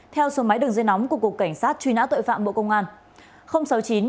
theo số máy đường dây nóng của cục cảnh sát truy nã tội phạm bộ công an